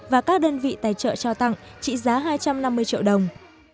và các đơn vị tài trợ trao tặng trị giá hai trăm năm mươi triệu đồng